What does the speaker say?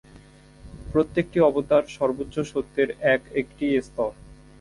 প্রত্যেকটি অবতার সর্বোচ্চ সত্যের এক একটি স্তর।